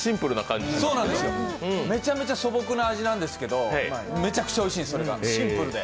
めちゃめちゃ素朴な味なんですけど、シンプルでめちゃくちゃおいしいんです。